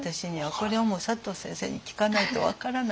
これはもう佐藤先生に聞かないと分からないです。